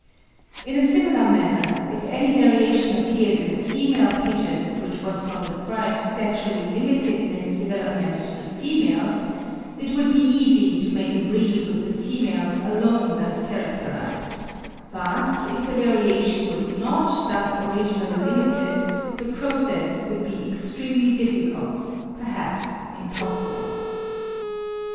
In a similar manner, if any variation appeared in a female pigeon, which was from the first sexually limited in its development to the females, it would be easy to make a breed with the females alone thus characterised; but if the variation was not thus originally limited, the process would be extremely difficult, perhaps impossible.